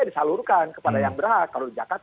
disalurkan kepada yang berhak kalau zakat